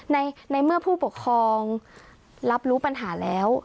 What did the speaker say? ในเมื่อผู้ปกครองรับรู้ปัญหาแล้ว